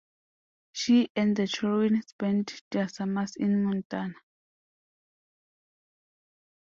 She and the children spent their summers in Montana.